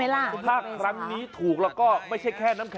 โอ้โหใหญ่เลยนะ